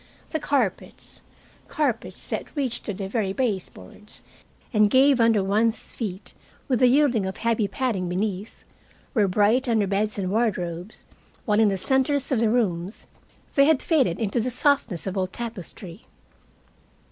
The carpets carpets that reached to the very baseboards and gave under one's feet with the yielding of heavy padding beneath were bright under beds and wardrobes, while in the centers of the rooms they had faded into the softness of old tapestry.